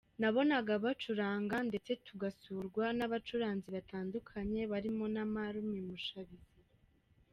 Nabonaga bacuranga ndetse tugasurwa n’abacuranzi batandukanye barimo na marume Mushabizi.